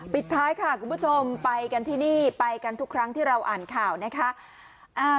ปิดท้ายค่ะคุณผู้ชมไปกันที่นี่ไปกันทุกครั้งที่เราอ่านข่าวนะคะ